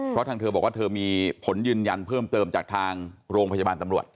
เพราะทางเธอบอกว่าเธอมีผลยืนยันเพิ่มเติมจากทางโรงพยาบาลตำรวจ